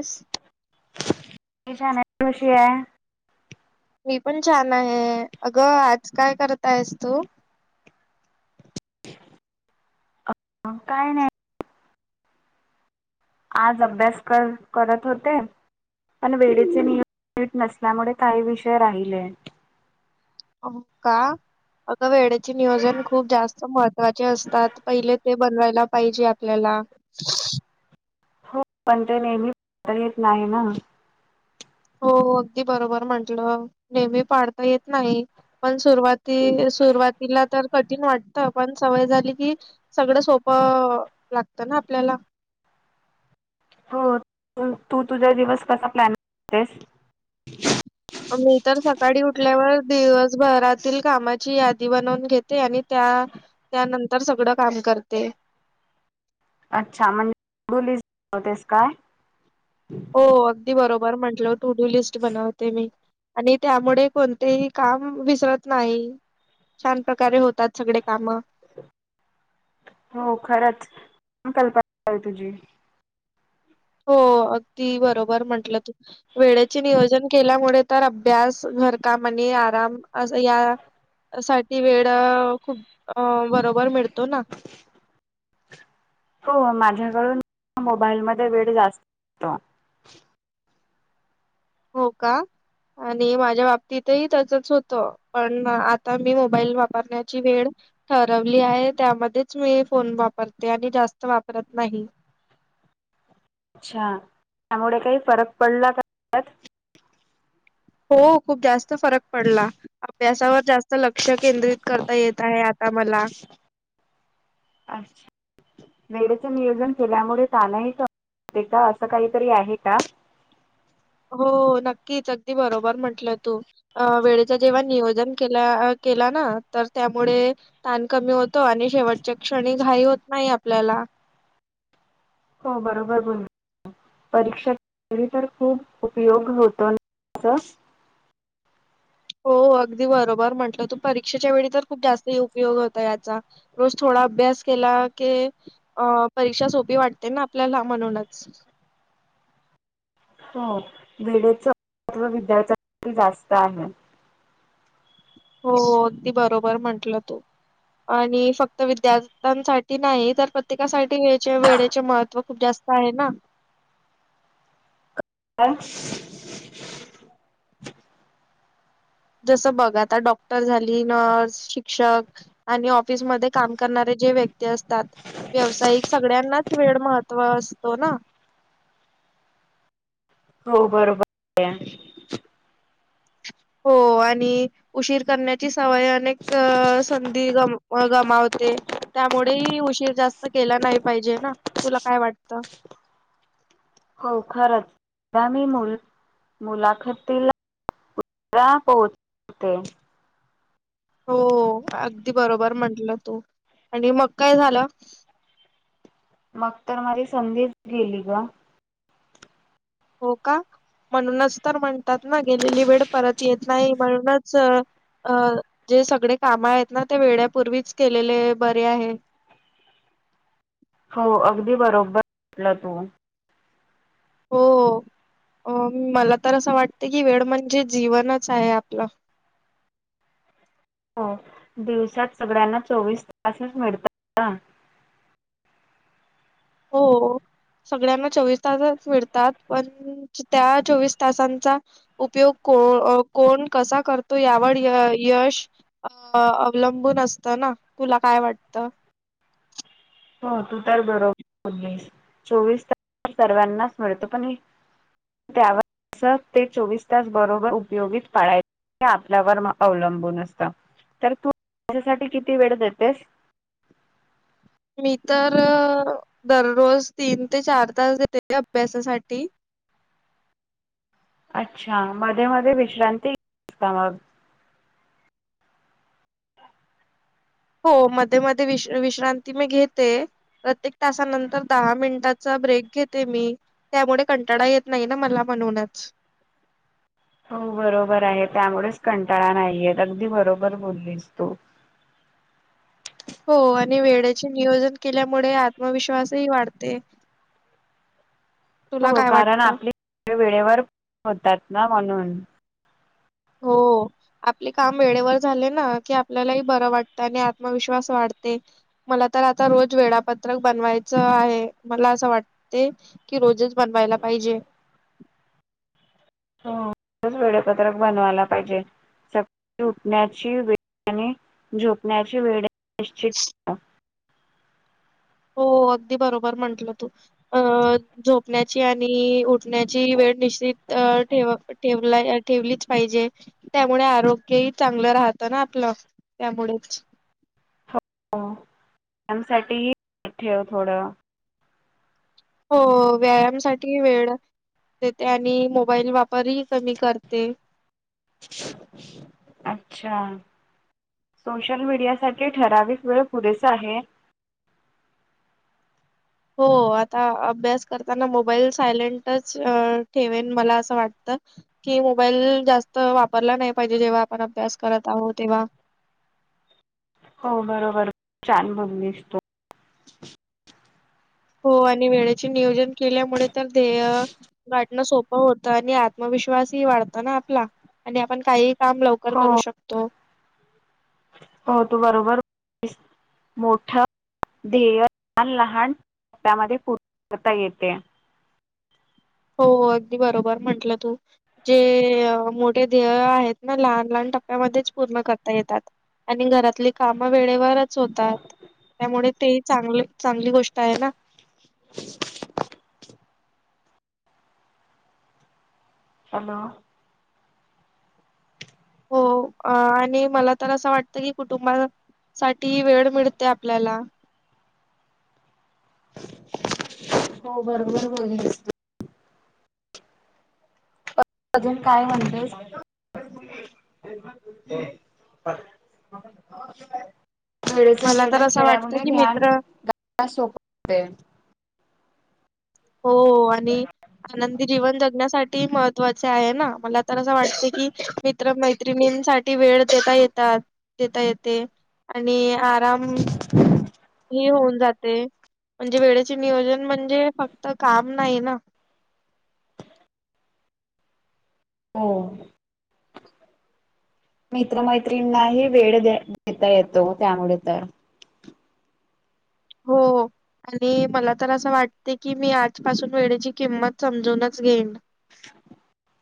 क हण्या खुशी आहे मी पण छान आहे अगं आज काय करता आहेस तू काय नाही आज अभ्यास कर करत होते पण वेळेचे नियम [unintelligible] नसल्यामुळे काही विषय राहिले हो का अगं वेळेचे नियोजन खूप जास्त महत्त्वाचे असतात पहिले ते बनवायला पाहिजे आपल्याला. [inaudible] हो पण ते नेहमी [unintelligible] नाही ना हो अगदी बरोबर म्हटलं नेहमी पाडता येत नाही. पण सुरुवाती सुरुवातीला तर कठीण वाटत पण सवय झाली की सगळं सोपं अ लागतं ना आपल्याला. हो तू तुझा दिवस कसा प्लॅन करतेस. मी तर सकाळी उठल्यावर दिवसभरातील कामाची यादी बनवून घेते आणि त्या त्यानंतर सगळं काम करते. अच्छा म्हणजे [unintelligible] का हो अगदी बरोबर म्हटल टूडू लिस्ट बनवते मी. आणि त्यामुडे कोणतेही काम विसरत नाही. छान प्रकारे होतात सगडे कामं हो खरंच [unintelligible] कल्पना तुझी हो अगदी बरोबर म्हंटलं तू वेळेचे नियोजन केल्यामुळे तर अभ्यास घरकाम आणि आराम अस या साठी वेड अ खूप बरोबर मिळतो ना. हो माझ्याकडून मोबाईलमध्ये [unintelligible] हो का आणि माझ्या बाबतीतही त्याचच होतं पण आता मी मोबाईल वापरण्याची वेळ ठरवली आहे त्यामध्येच मी फोन वापरते आणि जास्त वापरत नाही अच्छा त्यामुळे काही फरक पडला का त्यात हो खूप जास्त फरक पडला अभ्यासावर जास् लक्ष केंद्रित करता येत आहे आता मला अच्छा वेडच नियोजन केल्यामुळे [unintelligible] असं काहीतरी आहे का. हो नक्कीच अगदी बरोबर म्हंटलंय तू अ वेळेच जेव्हा नियोजन केल केला ना तर त्यामुळे ताण कमी होतो आणि शेवटच्या क्षणी घाई होत नाही आपल्याला. हो बरोबर बोल परीक्षा इनौडिबल तर खूप उपयोग होतो इनौडिबल हो अगदी बरोबर म्हटलं तू परीक्षेच्या वेळी तर खूप जास्त उपयोग होता याचा. रोज थोडा अभ्यास केला की अ परीक्षा सोपी वाटते ना आपल्याला म्हणूनच हो [unintelligible] विद्यार्थ्यांसाठी जास्त आहे. हो अगदी बरोबर म्हंटलं तू आणि फक्त विद्यार्थ्यांसाठी नाही तर प्रत्येकासाठी वेळेच वेळेचे महत्त्व खूप जास्त आहे ना. काय जसं बघ आता डॉक्टर झाली, नर्स, शिक्षक आणि ऑफिसमध्ये काम करणारे जे व्यक्त ते असतात व्यावसायिक सगळ्यांनाच वेड महत्त्व असतो ना हो बरोबर [unintelligible] हो आणि उशीर करण्याची सवय अनेक अ संधी ग गमावते. त्यामुडेही उशीर जास्त केला नाही पाहिजे ना तुला काय वाटतं? हो खरंच आगामी मुल मुलाखतीला [unintelligible] पोहचते हो अगदी बरोबर म्हटलं तू आणि मग काय झालं. मग तर माझी संधीच गेली ग. हो का म्हणूनच तर म्हणतात ना गेलेली वेळ परत येत नाही म्हणूनच अ जे सगळे काम आहेत ना ते वेळ्यापूर्वीच केलेले बरे आहे. हो अगदी बरोबर -टलं तू हो मला तर असं वाटते की वेळ म्हणजे जीवनच आहे आपलं. हो दिवसात सगड्यांना चोवीस तासच मिडतात हो सगळ्यांना चोवीस तासच मिळतात पण त्या चोवीस तासांचा उपयोग को-कोण कसा करतो यावर य-यश अ अवलंबून असत ना तुला काय वाटतं. हो तू तर बरो-र बोल्लीस चोवीस ता- सर्वांनाच मिळतो पण हे त्याव- त- ते चोवीस तास बरोबर उपयोगित पाळाय- हे आपल्यावर अवलंबून असत. तर तू इनौडिबल साठी किती वेळ देतेस. मी तर दररोज तीन ते चार तास देते अभ्यासासाठी अच्छा मध्ये मध्ये विश्रांती इनौडिबल का मग हो मध्ये मध्ये विश-विश्रांती मी घेते. प्रत्येक तासानंतर दहा मिनिटाचा ब्रेक घेते मी. त्यामुडे कंटाडा येत नाही ना मला म्हणूनच हो बरोबर आहे त्यामुळेच कंटाळा नाहीयेत अगदी बरोबर बोललीस तू. हो आणि वेडेचे नियोजन केड्यामुळे आत्मविश्वासही वाढते. तुला हो काय कारण वाटतं? आपली इनौडिबल वेळेवर होतात ना म्हणून. हो. आपले काम वेळेवर झाले न की आपल्यालाही बरं वाटतं आणि आत्मविश्वास वाढते. मला तर आता रोज वेळापत्रक बनवायचं आहे मला असं वाटते की रोजच बनवायला पाहिजे हो वेळापत्रक बनवायला पाहिजे सकाळी उठण्याची वे इनौडिबल झोपण्याची वेळ नि हो अगदी बरोबर म्हटलं तू अ झोपण्याची आणि उठण्याची वेळ निश्चित ठेवा. ठेवला ठेवलीच पाहिजे त्यामुळे आरोग्यही चांगलं राहतं ना आपलं. त्यामुळेच हो त्यांसाठीही ठेव थोडं हो व्यायामसाठी वेळ देते आणि मोबाईल वापरही कमी करते. इनौडीबल अच्छा सोशल मीडिया साठी ठराविक वेळ पुरेसा आहे. हो आता अभ्यास करताना मोबाईल सायलेंटच ठेवेन मला असं वाटतं कि मोबाईल जास्त वापरला नाही पाहिजे जेव्हा आपण अभ्यास करत आहो तेव्हा. हो बरोबर छान बोललीस तु. हो आणि वेळेचे नियोजन केल्यामुळे तर ध्येय वाटणं सोपं होतं आणि आत्मविश्वासही वाढत ना आपला आणि आपण काही काम लवकर हो करू शकतो हो तू बरोबर इनौडिबल स मोठ इनौडिबल ध्येय इनौडिबल लहान त्यामध्ये इनौडिबल येते हो अगदी बरोबर म्हंटलं तू जे मोठे ध्येय आहेत ना लहान लहान टप्प्यामध्येच पूर्ण करता येतात. आणि घरातली कामं वेळेवरच होतात त्यामुळे ते चांगलं चांगली गोष्ट आहे ना. [unintelligible] हॅलो हो आणि मला तर असं वाटतं की कुटुंबा साठी वेळ मिळते आपल्याला हो बरोबर हो अजून काय म्हणतेस ह वेळेचे मला तर नियोजन असं वाटतं केेळल्यामुळे की मित्र ध्यानाण्या सोपते हो आणि आनंदी जीवन जगण्यासाठी म महत्वा आहे ना मला तर असं वाटते कि मित्र मैत्रणींसाठी वेळ देता येतात देता येते आणि आराम ह ह होऊन जाते म्हणजे वेळेचे नियोजन म्हणजे फक्त काम नाही ना हो मित्रमैत्रींनाही वेळ देता येतो त्यामुळे तर हो आणि मला तर असं वाटते की मी आजपासून वेळेची किंमत समजूनच घेईन [unintelligible]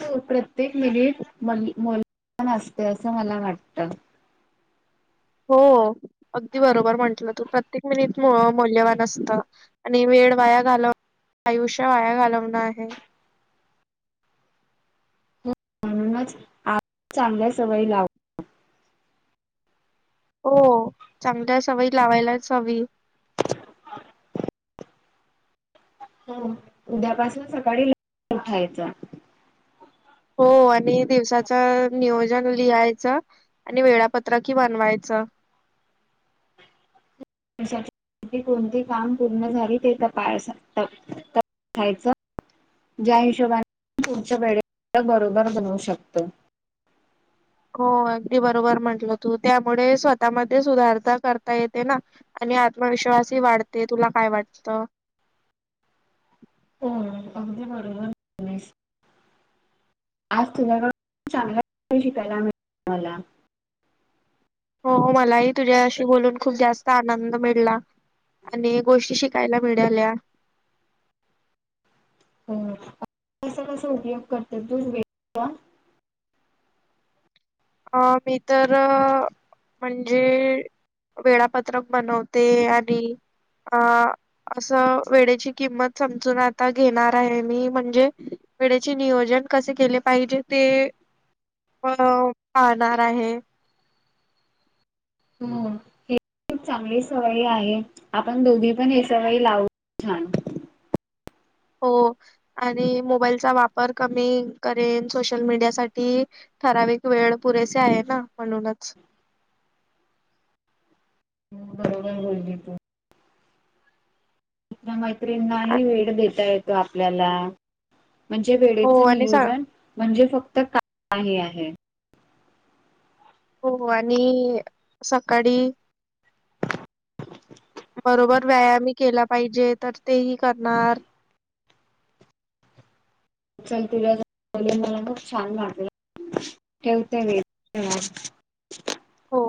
हो प्रत्येक मिनिटला असते असं मला वाटत हो अगदी बरोबर म्हंटलं तू प्रत्येक मिनिट मौल्यवान असतं आणि वेळ वाया घालव आयुष्य वाया घालवणं आहे. म्हणूनच आज चांगल्या सवयी लाव हो चांगल्या सवयी लावायलाच हवी. हो उद्यापासून सकाळी उठायचं. हो आणि दिवसाच नियोजन लिहायचं. आणि वेळापत्र कि बनवायचं ह कोणती काम पूर्ण झाली ते तपा तपासायचं ज्या हिशोबाने पुढच्या वेळे बरोबर बनवू शकतो. हो अगदी बरोबर म्हंटलं तू त्यामुळे स्वतःमध्ये सुधारता करता येते ना. आणि आत्मविश्वासही वाढते तुला काय वाटतं? हो अगदी बरोबर बोललीस. आज तुझ्याकडून चांगल्या शिकायला मिळत मला हो हो मलाही तुझ्याशी बोलून खूप जास्त आनंद मिळला. आणि गोष्टी शिकायला मिळाल्या. हो क कसा उपयोग करत तू वेळेला. अ मी तर म्हणजे- वेळापत्रक बनवते आणि अ असं वेडेची किंमत समजून आता घेणार आहे मी म्हणजे वेडेचे नियोजन कसे केले पाहिजे ते अ पाहणार आहे. हो हे खूप चांगली सवय आहे आपण दोघी पण ही सवय लावू छान. हो आणि मोबाईलचा वापर कमी करेन सोशल मीडिया साठी ठराविक वेळ पुरेसे आहे ना म्हणूनच. हूं बरोबर बोलली तू आपल्या आ- मैत्रींनाही वेड देता येतो आपल्याला. म्हणजे हो वेडेचं आणि स नियोजन म्हणजे फक्त [inaudible] काही आहे. हो आणि सकाडी बरोबर व्यायामही केला पाहिजे तर तेही करणार. चल तुला बोलुन मला खूप छान वाटलं ठेवते मी. हो.